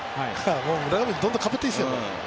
村上、どんどんかぶっていいですよ